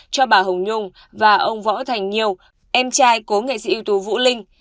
cho bà hồng nhung và ông võ thành nhiều em trai của nghệ sĩ ưu tố vũ linh